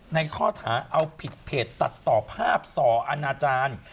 ในข้อหาเอาผิดเพจตัดต่อภาพส่ออาณาจารย์